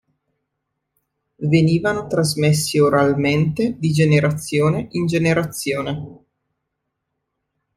Venivano trasmessi oralmente di generazione in generazione.